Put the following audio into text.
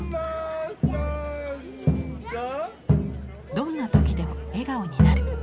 どんな時でも笑顔になる。